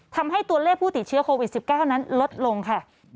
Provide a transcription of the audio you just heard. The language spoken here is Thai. ทำให้ตัวเลขผู้ติดเชื้อโควิด๑๙นั้นลดลงค่ะ